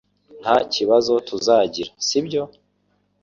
Nta kibazo tuzagira, sibyo ?.